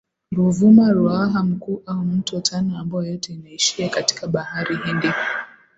Ruvuma Ruaha Mkuu au mto Tana ambayo yote inaishia katika Bahari Hindi